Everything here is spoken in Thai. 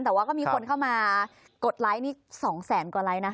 แต่ว่าก็มีคนเข้ามากดไลค์นี่๒แสนกว่าไลค์นะคะ